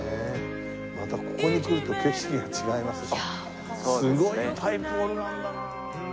またここに来ると景色が違いますよ。